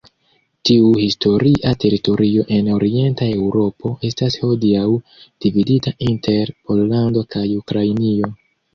Tiu historia teritorio en Orienta Eŭropo estas hodiaŭ dividita inter Pollando kaj Ukrainio.